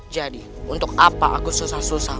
jadi untuk apa aku susah susah